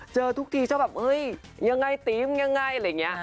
ทุกทีเจ้าแบบเฮ้ยยังไงตีมยังไงอะไรอย่างนี้